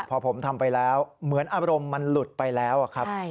พอผมทำไปแล้วเหมือนอารมณ์มันหลุดไปแล้วครับ